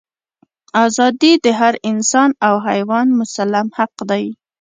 ازادي د هر انسان او حیوان مسلم حق دی.